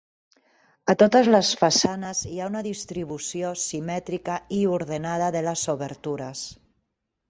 A totes les façanes hi ha una distribució simètrica i ordenada de les obertures.